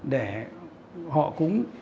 để họ cũng